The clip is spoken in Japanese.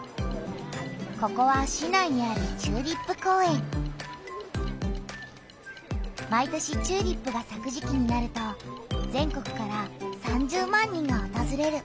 ここは市内にある毎年チューリップがさく時期になると全国から３０万人がおとずれる。